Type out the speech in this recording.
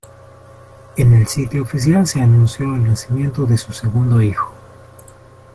En el sitio oficial se anunció el nacimiento de su segundo hijo.